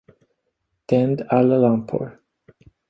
Tänd alla lampor.